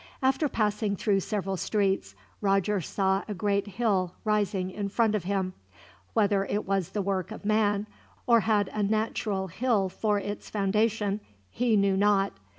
After passing through several streets, Roger saw a great hill rising in front of him. Whether it was the work of man, or had a natural hill for its foundation, he knew not.